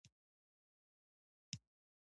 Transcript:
اسلوب دَ تاريخ پۀ پاڼو کښې خوندي پاتې کيږي